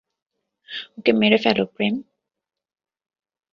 ওকে মেরে ফেল, প্রেম!